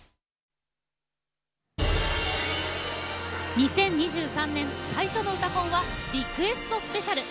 ２０２３年最初の「うたコン」はリクエストスペシャル。